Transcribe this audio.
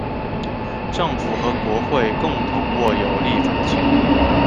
政府和国会共同握有立法权。